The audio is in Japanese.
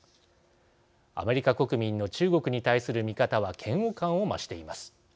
アメリカ国民の中国に対する見方は嫌悪感を増しています。